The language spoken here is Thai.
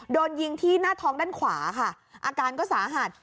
โดนยิงที่หน้าท้องด้านขวาค่ะอาการก็สาหัส